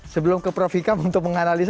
sebelum ke prof ikam untuk menganalisa